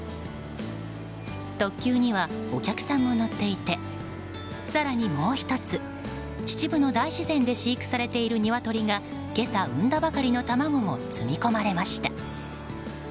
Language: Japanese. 特急にはお客さんも乗っていて更にもう１つ秩父の大自然で飼育されているニワトリが今朝産んだばかりの卵も積み込まれました。